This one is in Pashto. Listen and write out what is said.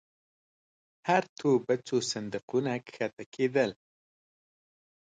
هر توپ ته به څو صندوقونه کښته کېدل.